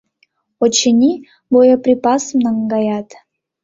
«Очыни, боеприпасым наҥгаят.